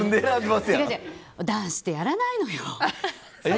男子ってやらないのよ。